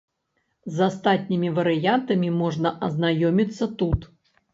З астатнімі варыянтамі можна азнаёміцца тут.